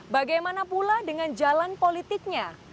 bagaimana pula dengan jalan politiknya